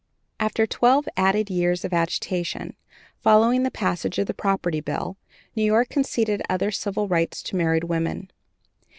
After twelve added years of agitation, following the passage of the Property Bill, New York conceded other civil rights to married women.